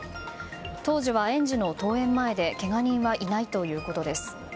当時は園児の登園前でけが人はいないということです。